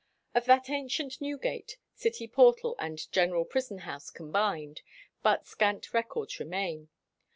Of that ancient Newgate, city portal and general prison house combined, but scant records remain.